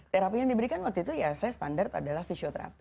terapi yang diberikan waktu itu ya saya standar adalah fisioterapi